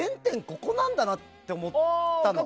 ここなんだなって思ったの。